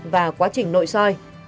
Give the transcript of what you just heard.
và quá trình nội soi